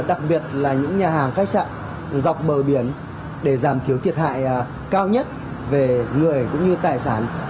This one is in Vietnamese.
đặc biệt là những nhà hàng khách sạn dọc bờ biển để giảm thiểu thiệt hại cao nhất về người cũng như tài sản